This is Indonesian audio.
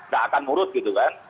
gak akan murut gitu kan